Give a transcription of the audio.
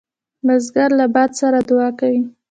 بزګر له باد سره دعا کوي